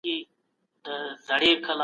دا هوايي ډګر د مسافرو لپاره مهم دی.